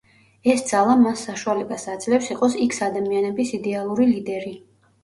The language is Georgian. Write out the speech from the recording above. ეს ძალა მას საშუალებას აძლევს იყოს იქს–ადამიანების იდეალური ლიდერი.